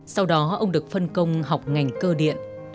sau đó ông được phân công học ngành cơ điện